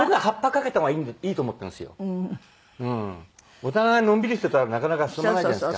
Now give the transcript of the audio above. お互いのんびりしてたらなかなか進まないじゃないですか。